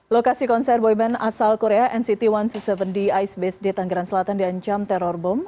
lokasi konser boy band asal korea nct satu ratus dua puluh tujuh di ice base day tangerang selatan diancam teror bom